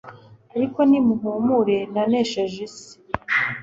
ariko nimuhumure nanesheje isi.”